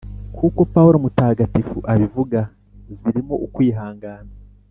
kukopawulo mutagatifu abivuga zirimo ukwihangana.